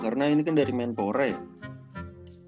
karena ini kan dari menpora ya